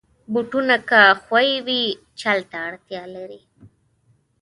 بوټونه که ښوی وي، چل ته اړتیا لري.